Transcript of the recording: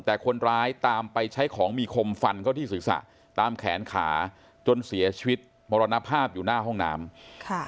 แต่คนร้ายตามไปใช้ของมีคมฟันเข้าที่ศีรษะตามแขนขาจนเสียชีวิตมรณภาพอยู่หน้าห้องน้ำค่ะ